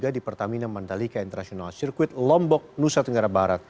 dua ribu dua puluh tiga di pertamina mandalika international circuit lombok nusa tenggara barat